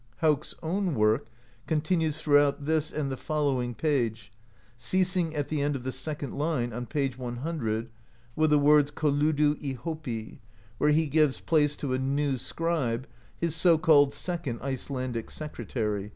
Hauk's own work continues throughout this and the fol lowing page, ceasing at the end of the second line on p. 100, with the words kolludu i Hopi, where he gives place to a new scribe, his so called "second Icelandic secretary."